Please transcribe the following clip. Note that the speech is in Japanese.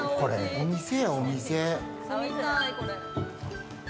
お店やお店。